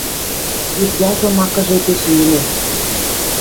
Вет яжо макы жепеш веле